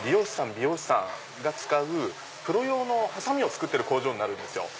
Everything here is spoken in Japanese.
美容師さんが使うプロ用のハサミを作ってる工場になるんですよ。